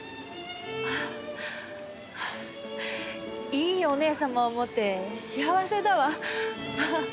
いいお義姉様を持って幸せだわ。